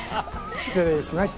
失礼しました！